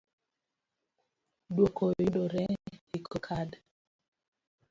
Dwoko yudore e giko kad.